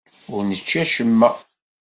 Ur nečči acemma.